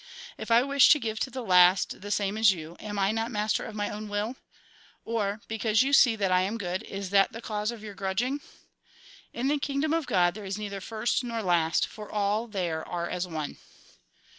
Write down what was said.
If I wish to give to the last the same as to you, am I not master of my own will ? Or because you see that I am good, is that the cause of your grudging ?'" In the kingdom of God there is neither first nor last, for all there are as one.